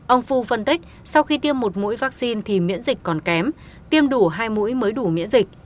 ông phu phân tích sau khi tiêm một mũi vaccine thì miễn dịch còn kém tiêm đủ hai mũi mới đủ miễn dịch